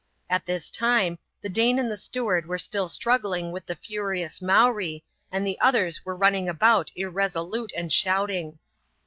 At this time, the Dane and the steward were still struggling with the furious Mowree, and the others were running about irresolute and shouting.